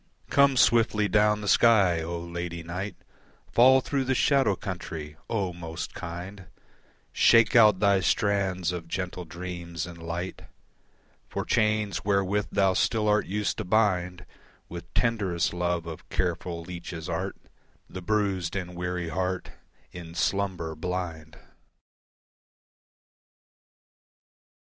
Come swiftly down the sky, O Lady Night, Fall through the shadow country, O most kind, Shake out thy strands of gentle dreams and light For chains, wherewith thou still art used to bind With tenderest love of careful leeches' art The bruised and weary heart In slumber blind.